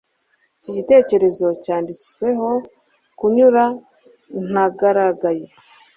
Iki gitekerezo cyanditseho kunyura ntagaragaye